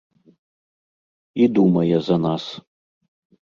І думае за нас.